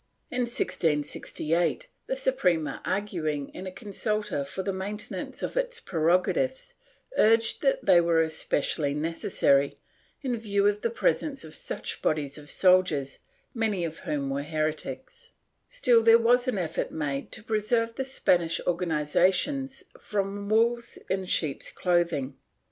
In 1668, the Suprema arguing in a consulta for the maintenance of its prerogatives, urged that they were especially necessary, in view of the presence of such bodies of soldiers, many of whom were heretics/ Still, there was an effort made to preserve the Spanish organiza tions from wolves in sheep's clothing.